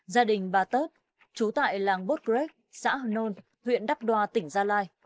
gia đình bà tớt chú tại làng bốt crêch xã hồ nôn huyện đắp đòa tỉnh gia lai